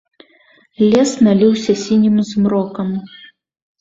Лес наліўся сінім змрокам.